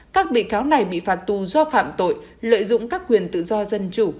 các bị cáo này bị phạt tù do phạm tội lợi dụng các quyền tự do dân chủ